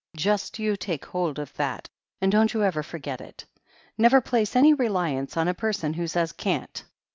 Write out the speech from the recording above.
"Just you take hold of that and don't you ever forget it. Never place any reliance on a person who says can't.